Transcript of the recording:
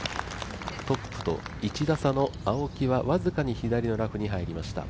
トップと１打差の青木は僅かに左のラフに入りました。